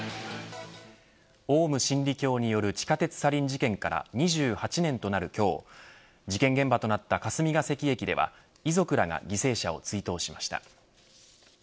オウム真理教による地下鉄サリン事件から２８年となる今日事件現場となった霞ケ関駅では遺族らが犠牲者を追悼しました。